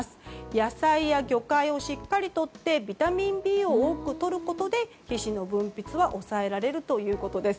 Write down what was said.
野菜や魚介をしっかりとってビタミンＢを多くとることで皮脂の分泌は抑えられるということです。